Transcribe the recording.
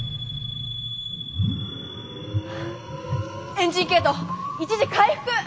エンジン系統一時回復！